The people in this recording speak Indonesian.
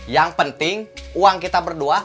yang penting uang kita berdua